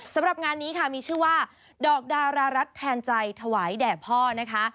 สำหรับงานนี้ค่ะมีชื่อว่าดอกดารารัฐแทนใจถวายแด่พ่อนะคะ